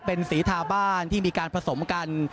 เป็นสีทาบ้านที่มีการผสมกัน